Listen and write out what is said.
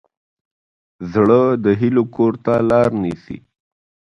زړه د هیلو کور ته لار نیسي.